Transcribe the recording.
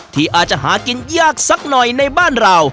ที่อาจจะหากินยากสักหน่อยในบ้านเรา